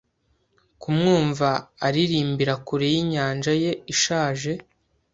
kumwumva aririmbira kure yinyanja ye ishaje;